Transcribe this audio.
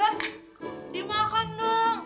enak lah jangan belatin doang